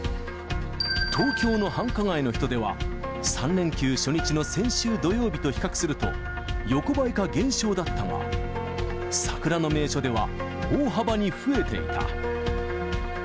東京の繁華街の人出は、３連休初日の先週土曜日と比較すると、横ばいか減少だったが、桜の名所では、大幅に増えていた。